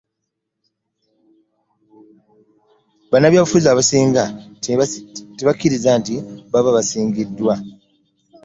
Bannabyabufuzi abasinga tebakkiriza nti baba basingiddwa.